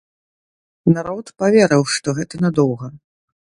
Народ паверыў, што гэта надоўга.